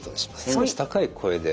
少し高い声で。